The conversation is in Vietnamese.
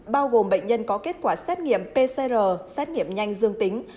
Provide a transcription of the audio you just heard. bao gồm bệnh nhân có kết quả xét nghiệm pcr xét nghiệm nhanh dương tính